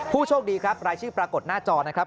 ผู้โชคดีครับรายชื่อปรากฏหน้าจอนะครับ